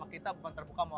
berusaha juga politikus juga